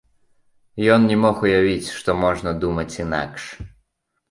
Ён не мог уявіць, што можна думаць інакш.